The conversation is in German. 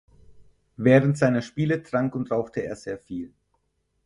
Während seiner Spiele trank und rauchte er sehr viel.